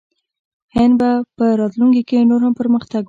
هند به په راتلونکي کې نور هم پرمختګ وکړي.